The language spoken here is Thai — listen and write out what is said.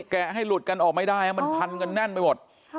แกะให้หลุดกันออกไม่ได้มันพันกันแน่นไปหมด